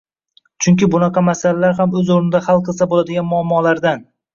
chunki bunaqa masalalar ham o‘z o‘rnida hal qilsa bo‘ladigan muammolardan.